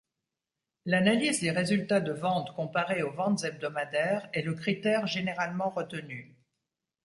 L’analyse des résultats de ventes comparés aux ventes hebdomadaires est le critère généralement retenu.